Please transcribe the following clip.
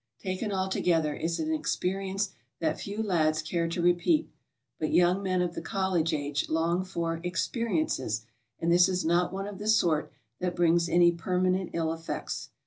Taken altogether, it is an experience that few lads care to repeat, but young men of the College age long for "experiences," and this is not one of the sort that brings any permanent ill effects.